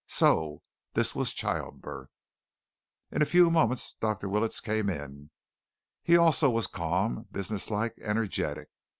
So this was childbirth! In a few moments Dr. Willets came in. He also was calm, business like, energetic.